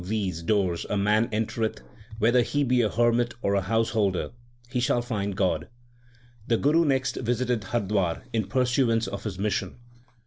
50 THE SIKH RELIGION doors a man entereth, whether he be a hermit or a householder, he shall find God/ The Guru next visited Hardwar in pursuance of his mission.